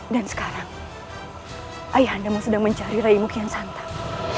dan sekarang ayah anda sedang mencari raimu kian santang